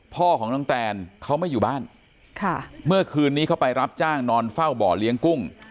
พ่อของน้องแตนเขาไม่อยู่บ้านค่ะเมื่อคืนนี้เขาไปรับจ้างนอนเฝ้าบ่อเลี้ยงกุ้ง